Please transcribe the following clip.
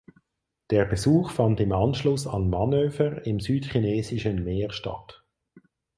Der Besuch fand im Anschluss an Manöver im Südchinesischen Meer statt.